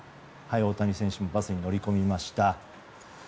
大谷選手もバスに乗り込みました。